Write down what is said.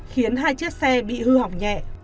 khiến hai chiếc xe bị hư hỏng nhẹ